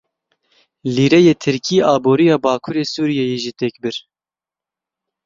Lîreyê Tirkî aboriya bakurê Sûriyeyê jî têk bir.